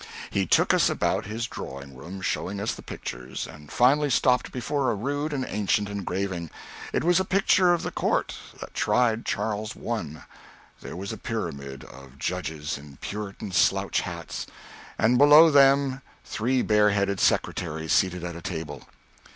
He took us about his drawing room, showing us the pictures, and finally stopped before a rude and ancient engraving. It was a picture of the court that tried Charles I. There was a pyramid of judges in Puritan slouch hats, and below them three bare headed secretaries seated at a table.